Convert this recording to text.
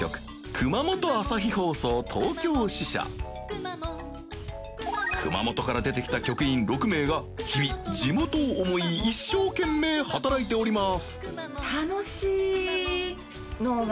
熊本朝日放送東京支社熊本から出てきた局員６名が地元を思い一生懸命働いております